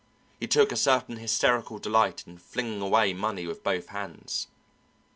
He took a certain hysterical delight in flinging away money with both hands.